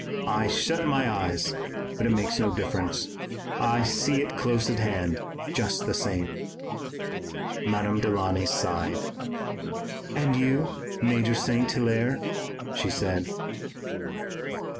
I shut my eyes, but it makes no difference. I see it close at hand, just the same." Madame Delaunay sighed. "And you, Major St. Hilaire?" she said.